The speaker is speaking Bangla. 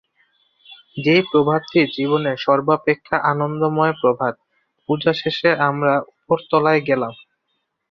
সেই প্রভাতটি জীবনে সর্বাপেক্ষা আনন্দময় প্রভাত! পূজাশেষে আমরা উপর তলায় গেলাম।